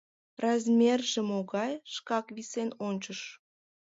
— Размерже могай? — шкак висен ончыш.